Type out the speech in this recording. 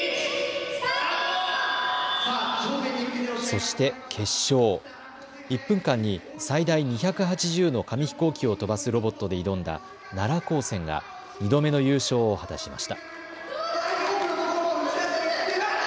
そして決勝、１分間に最大２８０の紙飛行機を飛ばすロボットで挑んだ奈良高専が２度目の優勝を果たしました。